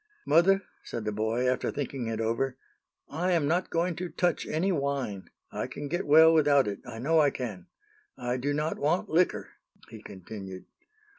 "Mother," said the boy, after thinking it over, "I am not going to touch any wine. I can get well without it, I know I can. I do not want liquor," he continued.